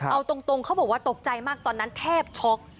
เอาตรงเขาบอกว่าตกใจมากตอนนั้นแทบช็อก